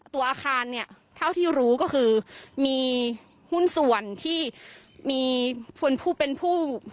ตัวอาคารเนี่ยเท่าที่รู้ก็คือมีหุ้นส่วนที่มีผู้เป็นผู้